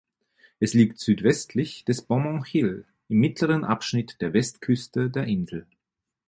Es liegt südwestlich des Beaumont Hill im mittleren Abschnitt der Westküste der Insel.